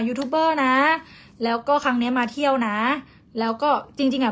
ยูทูบเบอร์นะแล้วก็ครั้งเนี้ยมาเที่ยวนะแล้วก็จริงจริงอ่ะ